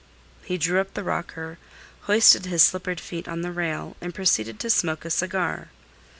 He drew up the rocker, hoisted his slippered feet on the rail, and proceeded to smoke a cigar.